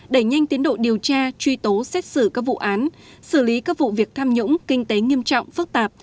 đẩy nhanh tiến độ điều tra truy tố xét xử các vụ án xử lý các vụ việc tham nhũng kinh tế nghiêm trọng phức tạp